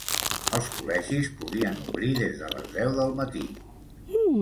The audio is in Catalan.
Els col·legis podien obrir des de les deu del matí.